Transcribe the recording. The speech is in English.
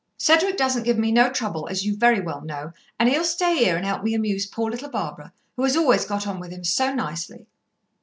"Cedric doesn't give me no trouble, as you very well know, and he'll stay here and help me amuse poor little Barbara, as has always got on with him so nicely."